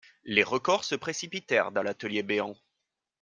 Les recors se précipitèrent dans l'atelier béant.